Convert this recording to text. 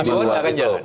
mas itu loh